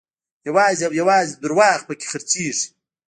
یوازې او یوازې درواغ په کې خرڅېږي.